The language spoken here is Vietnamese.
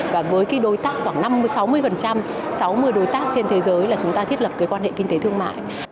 và với cái đối tác khoảng sáu mươi sáu mươi đối tác trên thế giới là chúng ta thiết lập cái quan hệ kinh tế thương mại